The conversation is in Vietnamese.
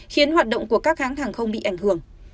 khiến hoạt động của các hãng hàng không bị ảnh hưởng